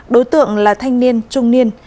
đối tượng là thanh niên trung niên